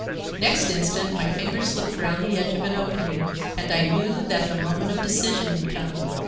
Next instant my fingers slipped round the edge of an opening, and I knew that the moment of decision had come.